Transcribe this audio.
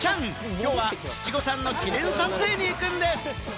きょうは七五三の記念撮影に行くんです。